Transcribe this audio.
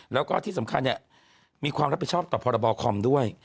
แล้วก็ที่สำคัญมีความรับผิดชอบต่อพรบคอมด้วย